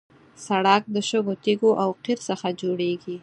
سړک د شګو، تیږو او قیر څخه جوړېږي.